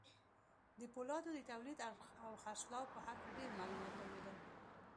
د پولادو د توليد او خرڅلاو په هکله ډېر معلومات درلودل.